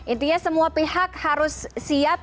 intinya semua pihak harus siap